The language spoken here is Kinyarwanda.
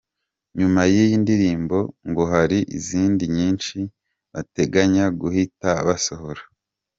Nyuma y’iyi ndirimbo, ngo hari izindi nyinshi bateganya guhita basohora.